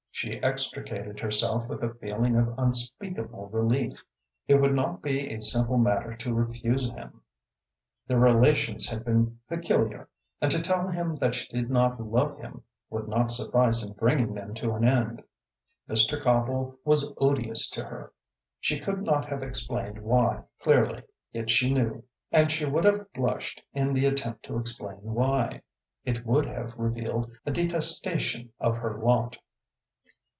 She extricated herself with a feeling of unspeakable relief. It would not be a simple matter to refuse him. Their relations had been peculiar, and to tell him that she did not love him would not suffice in bringing them to an end. Mr. Copple was odious to her. She could not have explained why clearly, yet she knew. And she would have blushed in the attempt to explain why; it would have revealed a detestation of her lot.